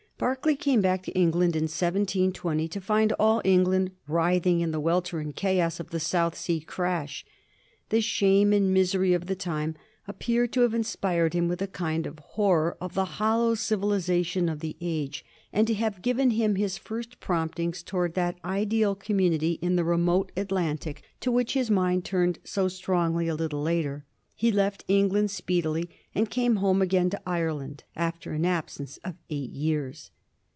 Berkeley came back to England in 1720 to find all Eng land writhing in the welter and chaos of the South Sea crash. The shame and misery of the time appear to have inspired him with a kind of horror of the hollow civilization of the age, and to have given him his first promptings towards that ideal community in the remote Atlantic to which his mind turned so strongly a little later. He left England speedily, and came home again to Ireland after an absence of eight years.